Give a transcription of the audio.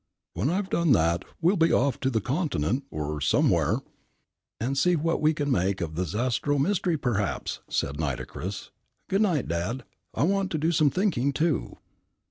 When I've done that, we'll be off to the Continent or somewhere " "And see what we can make of the Zastrow Mystery, perhaps!" said Nitocris. "Good night, Dad. I want to do some thinking, too."